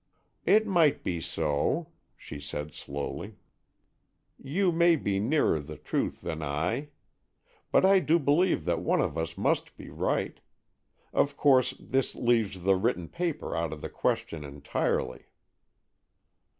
"It might be so," she said slowly; "you may be nearer the truth than I. But I do believe that one of us must be right. Of course, this leaves the written paper out of the question entirely."